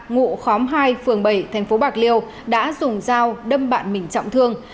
ngụ khóm hai phường bảy thành phố bạc liêu đã dùng dao đâm bạn mình trọng thương